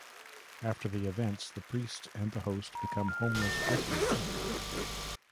After the events, the priest and the host become homeless drifters.